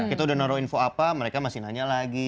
kita udah naruh info apa mereka masih nanya lagi